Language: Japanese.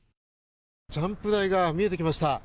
ジャンプ台が見えてきました。